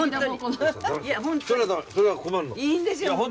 いいんですよ。